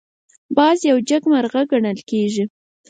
باز یو جګمرغه ګڼل کېږي